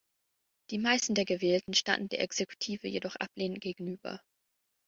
Die meisten der Gewählten standen der Exekutive jedoch ablehnend gegenüber.